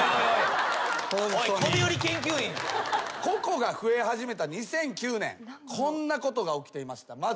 ココが増え始めた２００９年こんなことが起きていました。